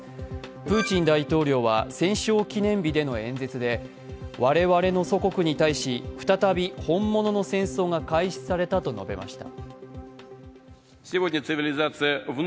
プーチン大統領は戦勝記念日での演説で我々の祖国に対し再び本物の戦争が開始されたと述べました。